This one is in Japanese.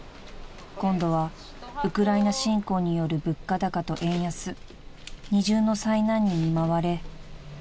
［今度はウクライナ侵攻による物価高と円安二重の災難に見舞われ］